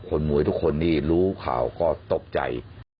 คนมวยทุกคนที่รู้ข่าวก็ตกใจ